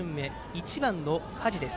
１番の梶です。